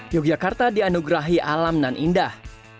yogyakarta dianugerahi alam dan indah